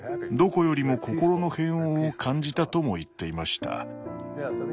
どこよりも心の平穏を感じたとも言っていました。